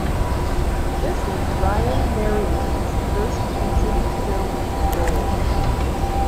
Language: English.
This was Ryan Merriman's first feature film role.